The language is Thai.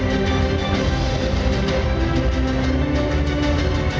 ก็ไม่รู้ก็ดูกันไป